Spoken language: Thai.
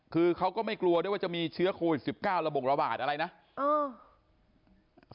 คือเขาก็ไม่กลัวด้วยว่าจะมีเชื้อโควิด๑๙ระบงระบาดอะไรนะเออ